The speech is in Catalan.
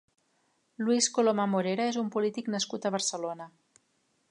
Luis Coloma Morera és un polític nascut a Barcelona.